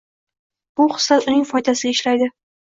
Bu xislat uning foydasiga ishlaydi.